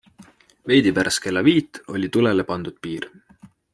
Veidi pärast kella viit oli tulele pandud piir.